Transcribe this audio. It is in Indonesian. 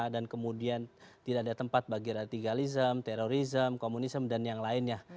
dan kemudian tidak ada tempat bagi radicalism terorism komunism dan yang lainnya